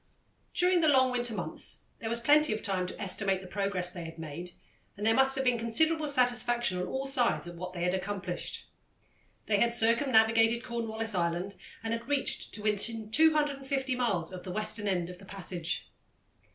During the long winter months there was plenty of time to estimate the progress they had made, and there must have been considerable satisfaction on all sides at what they had accomplished. They had circumnavigated Cornwallis Island and had reached to within 250 miles of the western end of the passage.